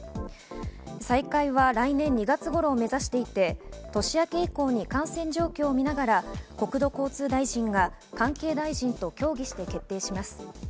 再開は来年２月頃を目指していて、年明け以降に感染状況を見ながら国土交通大臣が関係大臣と協議して決定します。